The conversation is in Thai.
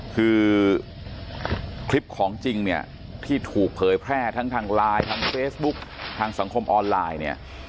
คือคลิปของจริงเนี่ยที่ถูกเผยแพร่ทั้งทางไลน์ทางเฟซบุ๊คทางสังคมออนไลน์เนี่ย